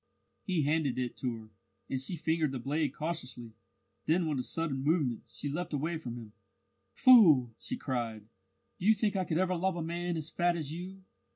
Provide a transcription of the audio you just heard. He handed it to her, and she fingered the blade cautiously. Then with a sudden movement she leaped away from him. "Fool!" she cried. "Do you think I could ever love a man as fat as you?